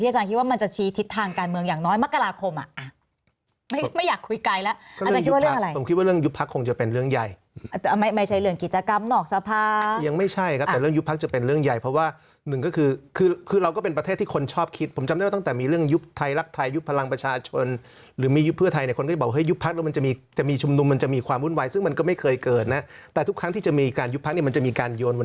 ถ้าสมมติให้อาจารย์เลือกสักเรื่องหนึ่งถ้าสมมติให้อาจารย์เลือกสักเรื่องหนึ่งถ้าสมมติให้อาจารย์เลือกสักเรื่องหนึ่งถ้าสมมติให้อาจารย์เลือกสักเรื่องหนึ่งถ้าสมมติให้อาจารย์เลือกสักเรื่องหนึ่งถ้าสมมติให้อาจารย์เลือกสักเรื่องหนึ่งถ้าสมมติให้อาจารย์เลือกสักเรื่องหนึ่งถ้าสมมติให้อาจ